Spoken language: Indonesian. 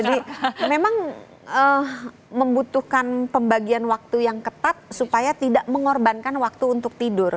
jadi memang membutuhkan pembagian waktu yang ketat supaya tidak mengorbankan waktu untuk tidur